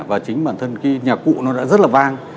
và chính bản thân cái nhạc cụ nó đã rất là vang